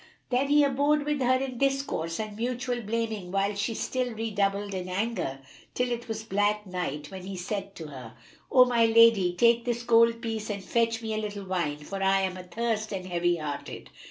Then he abode with her in discourse and mutual blaming whilst she still redoubled in anger, till it was black night, when he said to her, "O my lady, take this gold piece and fetch me a little wine, for I am athirst and heavy hearted."